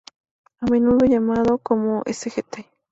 A menudo llamado como ""Sgt.